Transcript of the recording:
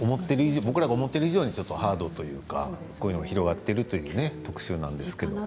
僕らが思っている以上にちょっとハードというかこういうのが広がっているという特集なんですけれども。